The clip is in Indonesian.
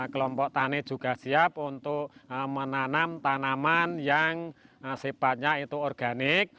kelompok tani juga siap untuk menanam tanaman yang sifatnya itu organik